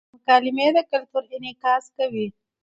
مکالمې د کلتور انعکاس کوي.